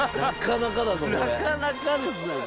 なかなかですよ。